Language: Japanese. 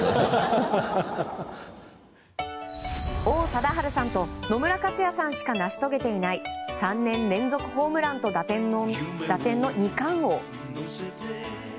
王貞治さんと野村克也さんしか成し遂げていない、３年連続ホームランと打点の二冠王。